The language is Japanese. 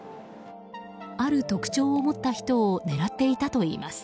ある特徴を持った人を狙っていたといいます。